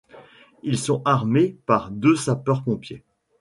Ils sont armés par deux sapeurs-pompiers.